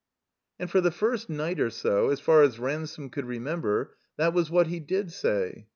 '* And for the first night or so, as far as Ransome could remember, that was what he did say.